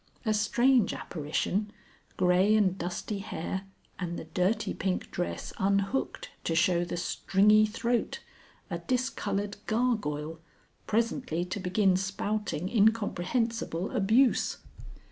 A strange apparition, grey and dusty hair, and the dirty pink dress unhooked to show the stringy throat, a discoloured gargoyle, presently to begin spouting incomprehensible abuse.